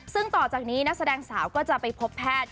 ซึ่งต่อจากนี้นักแสดงสาวก็จะไปพบแพทย์